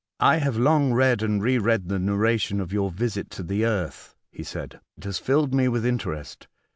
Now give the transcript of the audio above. " I have long read and re read the narration of your visit to the earth," he said, " and it has filled me with interest.